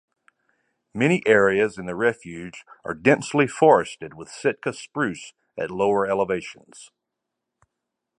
Many areas in the refuge are densely forested with Sitka spruce at lower elevations.